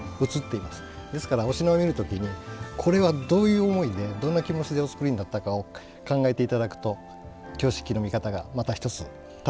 ですからお品を見る時にこれはどういう思いでどんな気持ちでお作りになったかを考えて頂くと京漆器の見方がまた一つ楽しくなると思います。